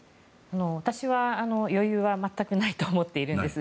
私は余裕は全くないと思っているんです。